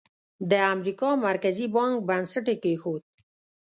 د امریکا مرکزي بانک بنسټ یې کېښود.